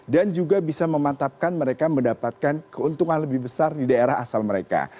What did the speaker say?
dan juga bisa mematapkan mereka mendapatkan keuntungan lebih besar di daerah asal mereka